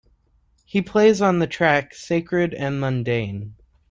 He plays on the track "Sacred and Mundane".